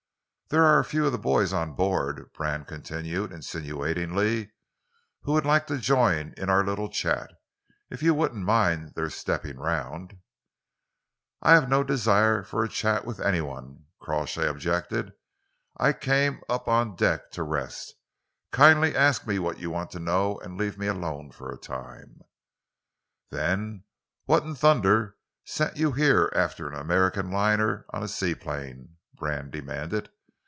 "There are a few of the boys on board," Brand continued insinuatingly, "who would like to join in our little chat, if you wouldn't mind their stepping round." "I have no desire for a chat with any one," Crawshay objected. "I came up on deck to rest. Kindly ask me what you want to know and leave me alone for a time." "Then what in thunder sent you here after an American liner on a seaplane?" Brand demanded.